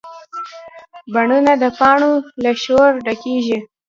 بڼونه د پاڼو له شور ډکېږي